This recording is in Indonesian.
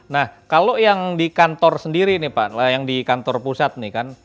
nah kalau yang di kantor sendiri nih pak yang di kantor pusat nih kan